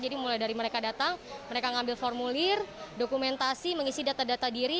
jadi mulai dari mereka datang mereka ngambil formulir dokumentasi mengisi data data diri